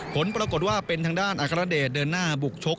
ผลปรากฏว่าเป็นทางด้านอัครเดชเดินหน้าบุกชก